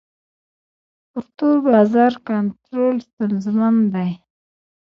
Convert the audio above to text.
پر تور بازار کنټرول ستونزمن دی.